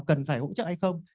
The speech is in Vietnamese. cần phải hỗ trợ hay không